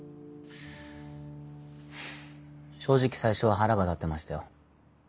フゥ正直最初は腹が立ってましたよ。